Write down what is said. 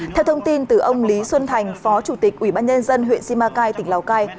theo thông tin từ ông lý xuân thành phó chủ tịch ủy ban nhân dân huyện simacai tỉnh lào cai